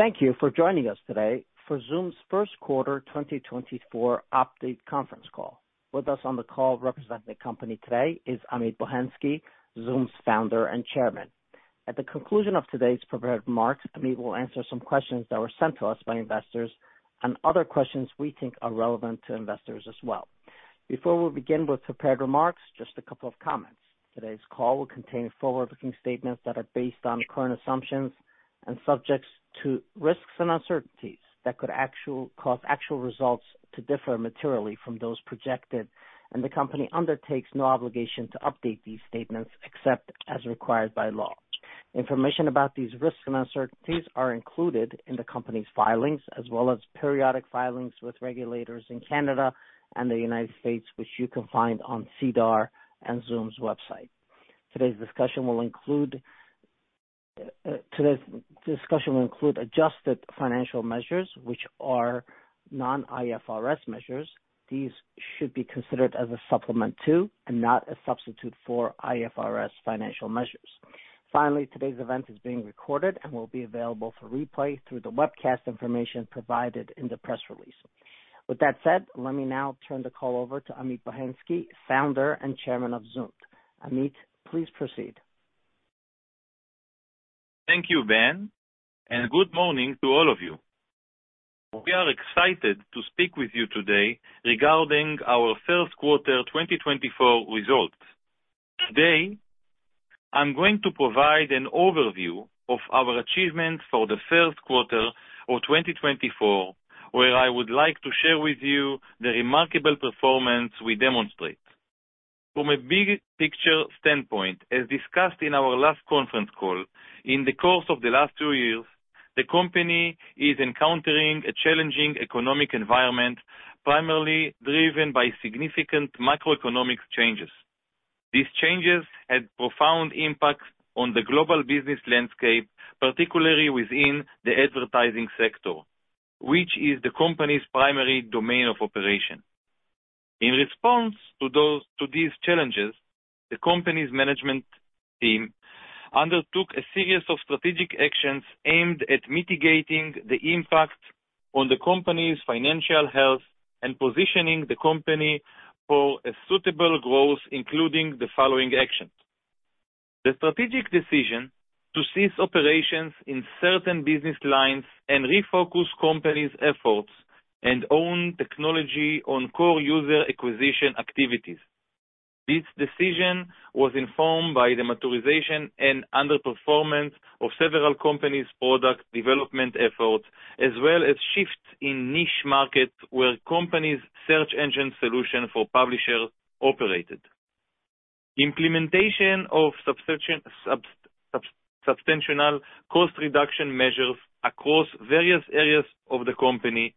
Thank you for joining us today for Zoomd's First Quarter 2024 Update Conference Call. With us on the call representing the company today is Amit Bohensky, Zoomd's founder and chairman. At the conclusion of today's prepared remarks, Amit will answer some questions that were sent to us by investors and other questions we think are relevant to investors as well. Before we begin with prepared remarks, just a couple of comments. Today's call will contain forward-looking statements that are based on current assumptions and subject to risks and uncertainties that could cause actual results to differ materially from those projected, and the company undertakes no obligation to update these statements except as required by law. Information about these risks and uncertainties are included in the company's filings, as well as periodic filings with regulators in Canada and the United States, which you can find on SEDAR and Zoomd's website. Today's discussion will include adjusted financial measures, which are non-IFRS measures. These should be considered as a supplement to, and not a substitute for, IFRS financial measures. Finally, today's event is being recorded and will be available for replay through the webcast information provided in the press release. With that said, let me now turn the call over to Amit Bohensky, founder and chairman of Zoomd. Amit, please proceed. Thank you, Ben, and good morning to all of you. We are excited to speak with you today regarding our first quarter 2024 results. Today, I'm going to provide an overview of our achievements for the first quarter of 2024, where I would like to share with you the remarkable performance we demonstrate. From a big picture standpoint, as discussed in our last conference call, in the course of the last 2 years, the company is encountering a challenging economic environment, primarily driven by significant macroeconomic changes. These changes had profound impacts on the global business landscape, particularly within the advertising sector, which is the company's primary domain of operation. In response to these challenges, the company's management team undertook a series of strategic actions aimed at mitigating the impact on the company's financial health and positioning the company for a suitable growth, including the following actions: The strategic decision to cease operations in certain business lines and refocus company's efforts and own technology on core user acquisition activities. This decision was informed by the maturation and underperformance of several companies' product development efforts, as well as shifts in niche markets where companies' search engine solution for publishers operated. Implementation of substantial cost reduction measures across various areas of the company,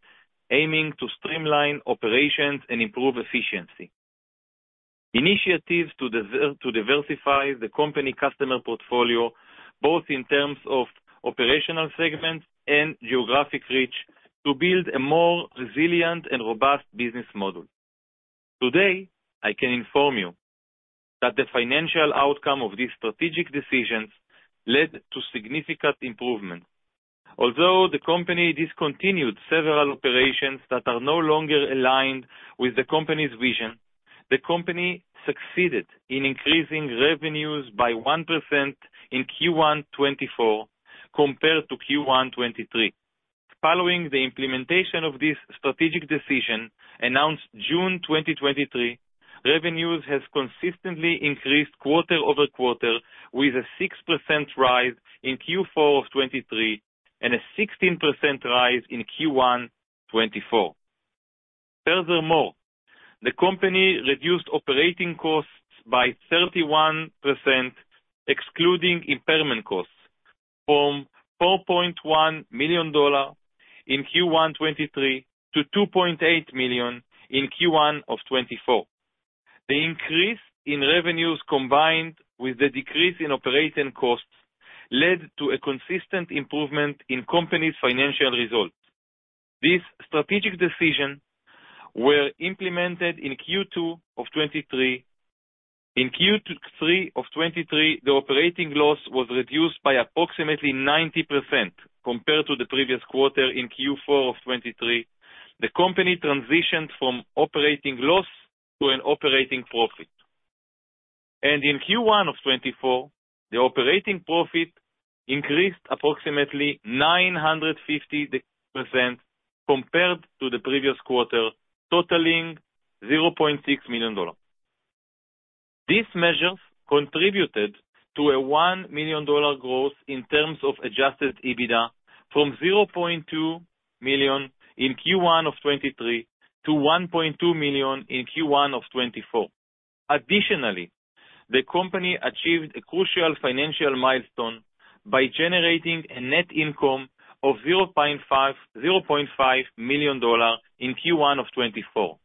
aiming to streamline operations and improve efficiency. Initiatives to diversify the company customer portfolio, both in terms of operational segments and geographic reach, to build a more resilient and robust business model. Today, I can inform you that the financial outcome of these strategic decisions led to significant improvement. Although the company discontinued several operations that are no longer aligned with the company's vision, the company succeeded in increasing revenues by 1% in Q1 2024 compared to Q1 2023. Following the implementation of this strategic decision, announced June 2023, revenues has consistently increased quarter-over-quarter, with a 6% rise in Q4 2023 and a 16% rise in Q1 2024. Furthermore, the company reduced operating costs by 31%, excluding impairment costs, from $4.1 million in Q1 2023 to $2.8 million in Q1 2024. The increase in revenues, combined with the decrease in operating costs, led to a consistent improvement in company's financial results. These strategic decisions were implemented in Q2 2023. In Q3 of 2023, the operating loss was reduced by approximately 90% compared to the previous quarter in Q4 of 2023. The company transitioned from operating loss to an operating profit. In Q1 of 2024, the operating profit increased approximately 950% compared to the previous quarter, totaling $0.6 million. These measures contributed to a $1 million growth in terms of adjusted EBITDA from $0.2 million in Q1 of 2023 to $1.2 million in Q1 of 2024. Additionally, the company achieved a crucial financial milestone by generating a net income of $0.5 million in Q1 of 2024.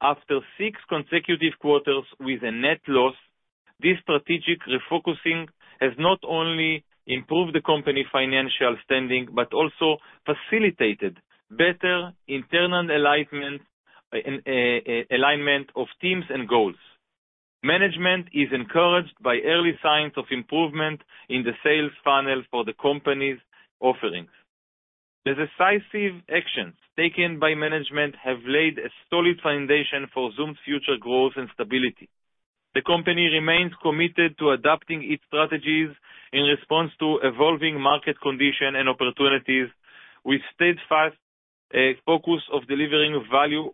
After six consecutive quarters with a net loss, this strategic refocusing has not only improved the company's financial standing, but also facilitated better internal alignment of teams and goals. Management is encouraged by early signs of improvement in the sales funnel for the company's offerings. The decisive actions taken by management have laid a solid foundation for Zoomd's future growth and stability. The company remains committed to adapting its strategies in response to evolving market conditions and opportunities, with steadfast focus on delivering value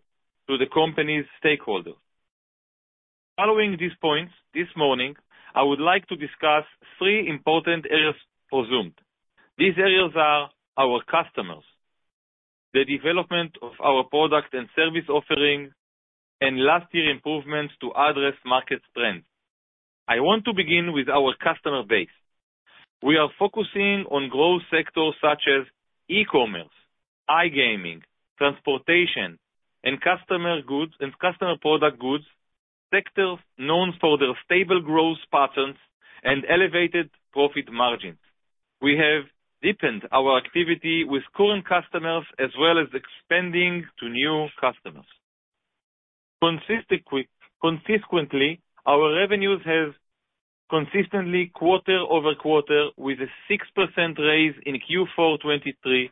to the company's stakeholders. Following these points, this morning, I would like to discuss three important areas for Zoomd. These areas are our customers, the development of our product and service offerings, and lasting improvements to address market trends. I want to begin with our customer base. We are focusing on growth sectors such as e-commerce, iGaming, transportation, and customer goods, and customer product goods, sectors known for their stable growth patterns and elevated profit margins. We have deepened our activity with current customers as well as expanding to new customers. Consistently, our revenues have consistently quarter over quarter, with a 6% raise in Q4 2023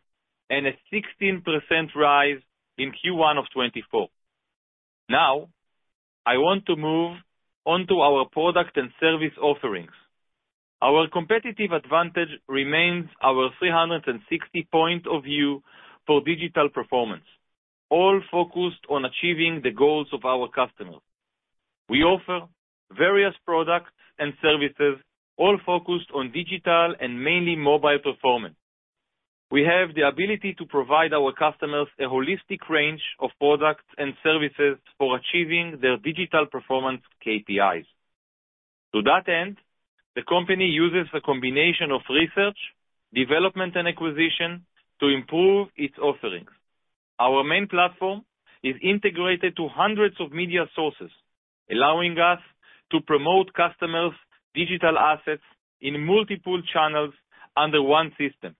and a 16% rise in Q1 of 2024. Now, I want to move on to our product and service offerings. Our competitive advantage remains our 360 point of view for digital performance, all focused on achieving the goals of our customers. We offer various products and services, all focused on digital and mainly mobile performance. We have the ability to provide our customers a holistic range of products and services for achieving their digital performance KPIs. To that end, the company uses a combination of research, development, and acquisition to improve its offerings. Our main platform is integrated to hundreds of media sources, allowing us to promote customers' digital assets in multiple channels under one system,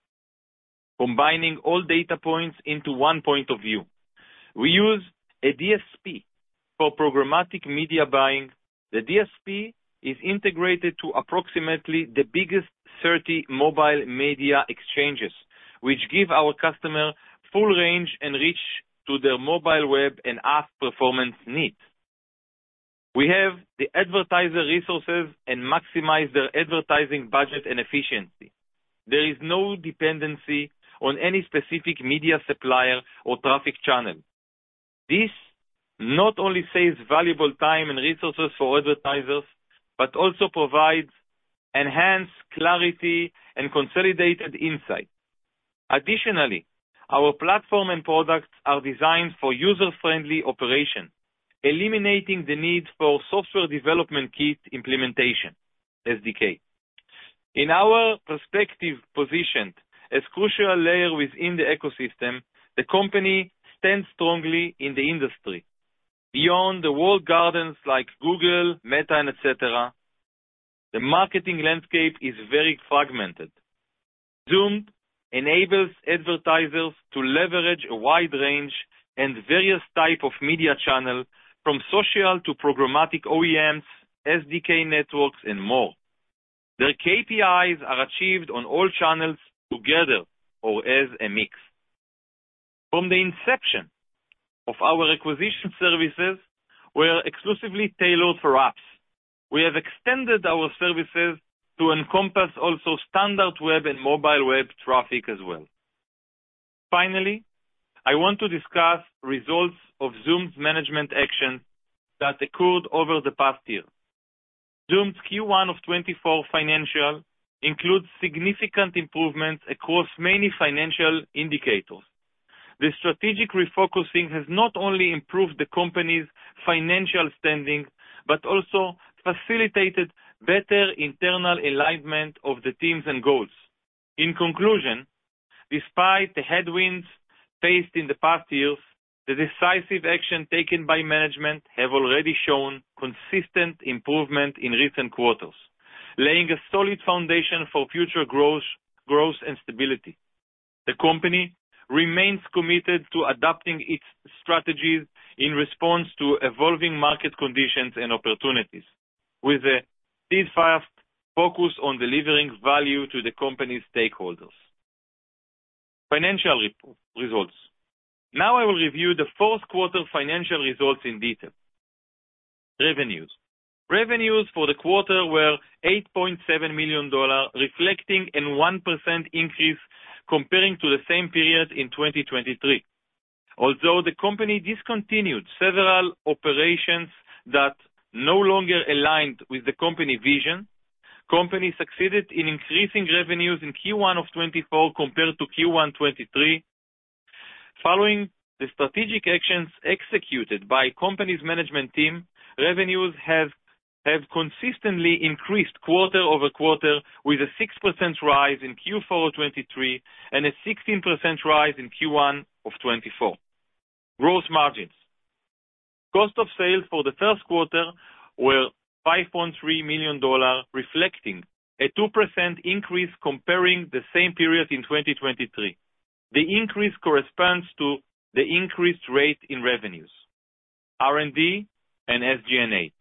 combining all data points into one point of view. We use a DSP for programmatic media buying. The DSP is integrated to approximately the biggest 30 mobile media exchanges, which give our customer full range and reach to their mobile web and app performance needs. We have the advertiser resources and maximize their advertising budget and efficiency. There is no dependency on any specific media supplier or traffic channel. This not only saves valuable time and resources for advertisers, but also provides enhanced clarity and consolidated insight. Additionally, our platform and products are designed for user-friendly operation, eliminating the need for Software Development Kit implementation, SDK. In our perspective, positioned as crucial layer within the ecosystem, the company stands strongly in the industry. Beyond the walled gardens like Google, Meta, and et cetera, the marketing landscape is very fragmented. Zoomd enables advertisers to leverage a wide range and various type of media channel, from social to programmatic OEMs, SDK networks, and more. Their KPIs are achieved on all channels together or as a mix. From the inception of our acquisition services, we are exclusively tailored for apps. We have extended our services to encompass also standard web and mobile web traffic as well. Finally, I want to discuss results of Zoomd's management action that occurred over the past year. Zoomd's Q1 of 2024 financials include significant improvements across many financial indicators. The strategic refocusing has not only improved the company's financial standing, but also facilitated better internal alignment of the teams and goals. In conclusion, despite the headwinds faced in the past years, the decisive action taken by management have already shown consistent improvement in recent quarters, laying a solid foundation for future growth, growth and stability. The company remains committed to adapting its strategies in response to evolving market conditions and opportunities, with a steadfast focus on delivering value to the company's stakeholders. Financial results. Now, I will review the first quarter financial results in detail. Revenues. Revenues for the quarter were $8.7 million, reflecting a 1% increase comparing to the same period in 2023. Although the company discontinued several operations that no longer aligned with the company vision, company succeeded in increasing revenues in Q1 of 2024 compared to Q1 2023. Following the strategic actions executed by company's management team, revenues have consistently increased quarter-over-quarter, with a 6% rise in Q4 2023 and a 16% rise in Q1 of 2024. Gross margins. Cost of sales for the first quarter were $5.3 million, reflecting a 2% increase comparing the same period in 2023.... The increase corresponds to the increased rate in revenues, R&D, and SG&A.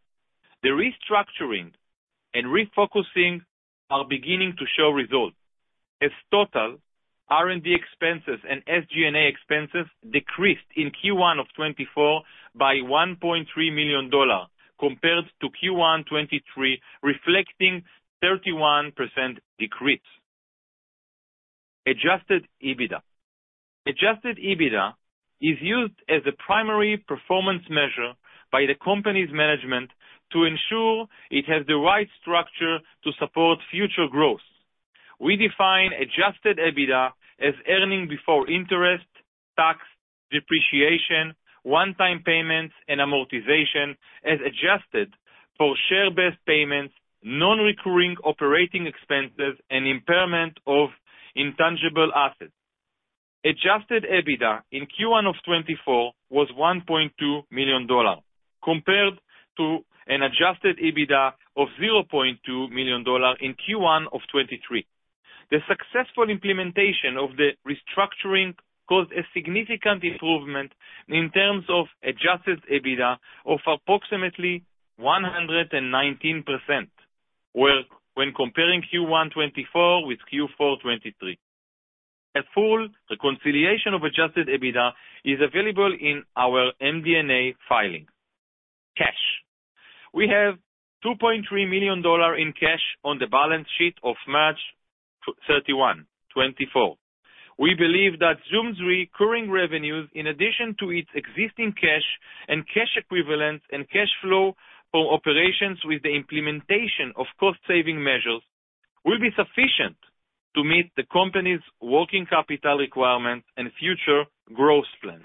The restructuring and refocusing are beginning to show results. As total, R&D expenses and SG&A expenses decreased in Q1 of 2024 by $1.3 million, compared to Q1 2023, reflecting 31% decrease. Adjusted EBITDA. Adjusted EBITDA is used as a primary performance measure by the company's management to ensure it has the right structure to support future growth. We define adjusted EBITDA as earnings before interest, tax, depreciation, one-time payments, and amortization, as adjusted for share-based payments, non-recurring operating expenses, and impairment of intangible assets. Adjusted EBITDA in Q1 of 2024 was $1.2 million, compared to an adjusted EBITDA of $0.2 million in Q1 of 2023. The successful implementation of the restructuring caused a significant improvement in terms of Adjusted EBITDA of approximately 119%, where, when comparing Q1 2024 with Q4 2023. A full reconciliation of Adjusted EBITDA is available in our MD&A filing. Cash. We have $2.3 million in cash on the balance sheet of March 31, 2024. We believe that Zoomd's recurring revenues, in addition to its existing cash and cash equivalents and cash flow from operations with the implementation of cost saving measures, will be sufficient to meet the company's working capital requirements and future growth plan.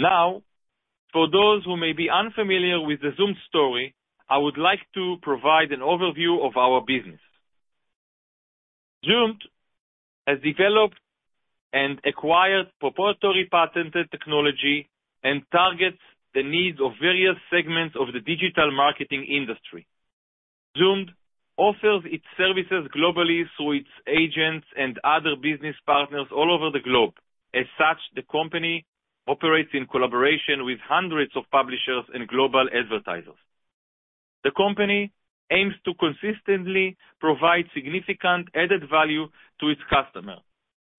Now, for those who may be unfamiliar with the Zoomd story, I would like to provide an overview of our business. Zoomd has developed and acquired proprietary patented technology and targets the needs of various segments of the digital marketing industry. Zoomd offers its services globally through its agents and other business partners all over the globe. As such, the company operates in collaboration with hundreds of publishers and global advertisers. The company aims to consistently provide significant added value to its customer.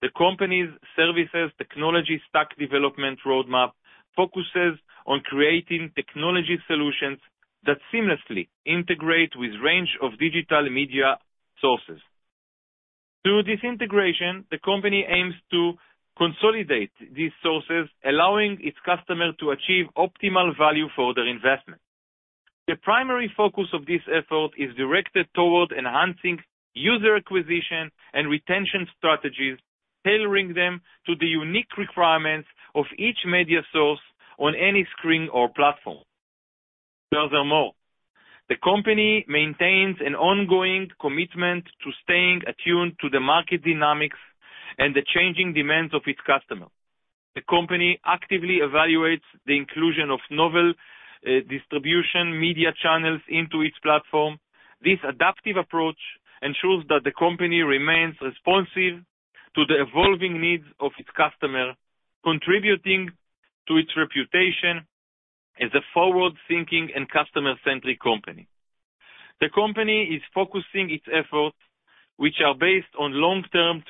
The company's services, technology, stack development roadmap, focuses on creating technology solutions that seamlessly integrate with range of digital media sources. Through this integration, the company aims to consolidate these sources, allowing its customer to achieve optimal value for their investment. The primary focus of this effort is directed toward enhancing user acquisition and retention strategies, tailoring them to the unique requirements of each media source on any screen or platform. Furthermore, the company maintains an ongoing commitment to staying attuned to the market dynamics and the changing demands of its customer. The company actively evaluates the inclusion of novel, distribution media channels into its platform. This adaptive approach ensures that the company remains responsive to the evolving needs of its customers, contributing to its reputation as a forward-thinking and customer-centric company. The company is focusing its efforts, which are based on long-term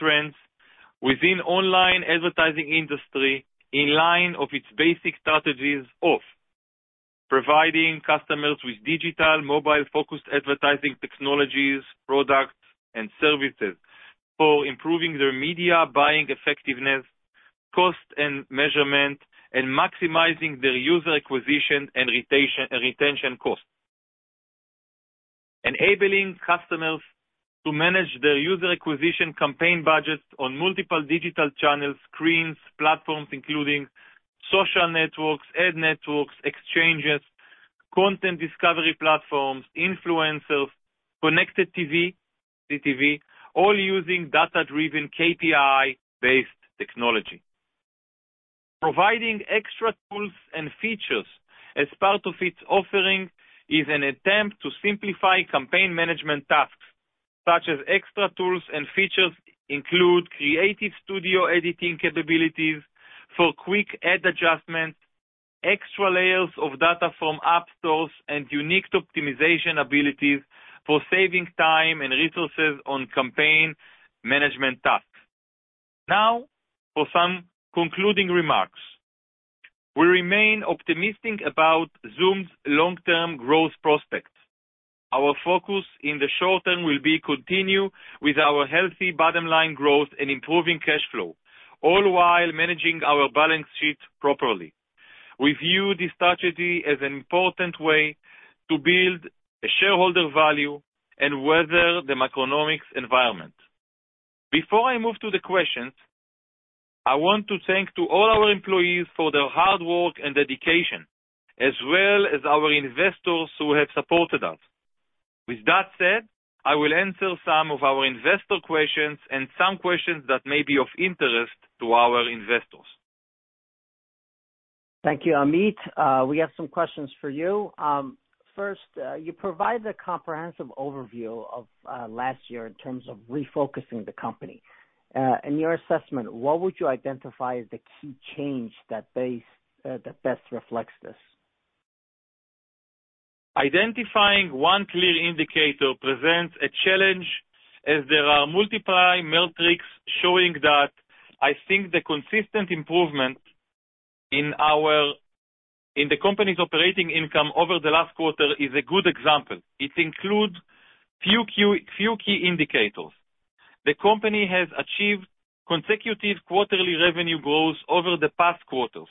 trends within the online advertising industry, in line with its basic strategies of: providing customers with digital, mobile-focused advertising technologies, products, and services for improving their media buying effectiveness, costs and measurement, and maximizing their user acquisition and retention costs. Enabling customers to manage their user acquisition campaign budgets on multiple digital channels, screens, platforms, including social networks, ad networks, exchanges, content discovery platforms, influencers, Connected TV, CTV, all using data-driven, KPI-based technology. Providing extra tools and features as part of its offering is an attempt to simplify campaign management tasks, such as extra tools and features include creative studio editing capabilities for quick ad adjustments, extra layers of data from app stores, and unique optimization abilities for saving time and resources on campaign management tasks. Now, for some concluding remarks. We remain optimistic about Zoomd's long-term growth prospects. Our focus in the short term will be continue with our healthy bottom line growth and improving cash flow, all while managing our balance sheet properly. We view this strategy as an important way to build a shareholder value and weather the macroeconomic environment. Before I move to the questions, I want to thank to all our employees for their hard work and dedication, as well as our investors who have supported us. With that said, I will answer some of our investor questions and some questions that may be of interest to our investors. Thank you, Amit. We have some questions for you. First, you provided a comprehensive overview of last year in terms of refocusing the company. In your assessment, what would you identify as the key change that best reflects this? Identifying one clear indicator presents a challenge, as there are multiple metrics showing that I think the consistent improvement in our... in the company's operating income over the last quarter is a good example. It includes few key indicators. The company has achieved consecutive quarterly revenue growth over the past quarters.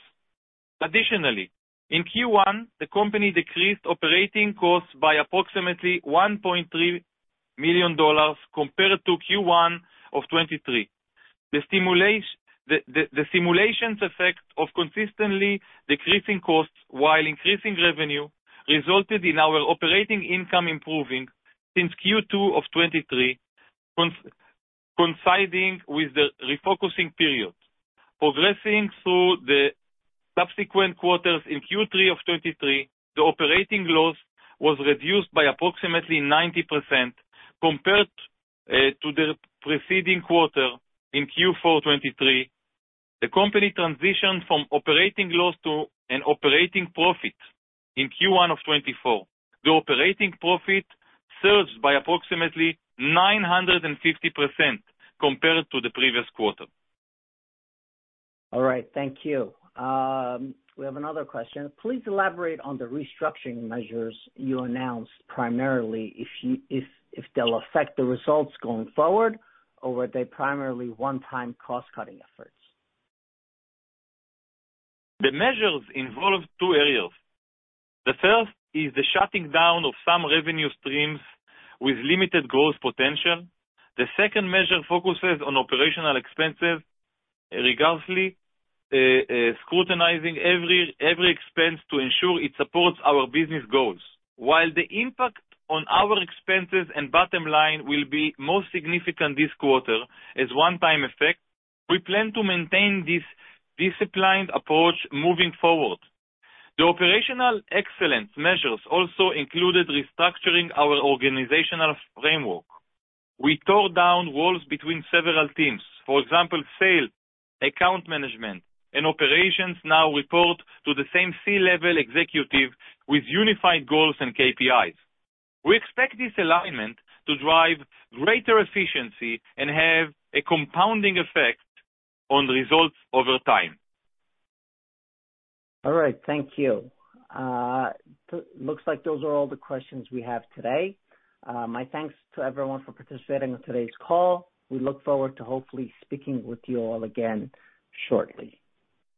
Additionally, in Q1, the company decreased operating costs by approximately $1.3 million compared to Q1 of 2023. The stimulating effect of consistently decreasing costs while increasing revenue resulted in our operating income improving since Q2 of 2023, coinciding with the refocusing period. Progressing through the subsequent quarters, in Q3 of 2023, the operating loss was reduced by approximately 90% compared to the preceding quarter in Q4 2023. The company transitioned from operating loss to an operating profit in Q1 of 2024. The operating profit surged by approximately 950% compared to the previous quarter. All right. Thank you. We have another question. Please elaborate on the restructuring measures you announced, primarily if they'll affect the results going forward, or were they primarily one-time cost-cutting efforts? The measures involve two areas. The first is the shutting down of some revenue streams with limited growth potential. The second measure focuses on operational expenses, rigorously scrutinizing every expense to ensure it supports our business goals. While the impact on our expenses and bottom line will be most significant this quarter as one-time effect, we plan to maintain this disciplined approach moving forward. The operational excellence measures also included restructuring our organizational framework. We tore down walls between several teams. For example, sales, account management, and operations now report to the same C-level executive with unified goals and KPIs. We expect this alignment to drive greater efficiency and have a compounding effect on the results over time. All right. Thank you. Looks like those are all the questions we have today. My thanks to everyone for participating on today's call. We look forward to hopefully speaking with you all again shortly.